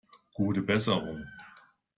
Gute Besserung!